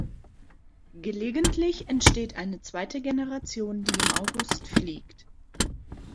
Gelegentlich entsteht eine zweite Generation, die im August fliegt.